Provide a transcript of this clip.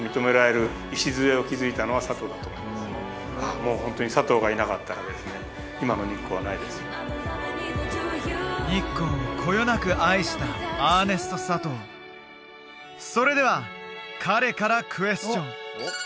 もうホントに日光をこよなく愛したアーネスト・サトウそれでは彼からクエスチョン！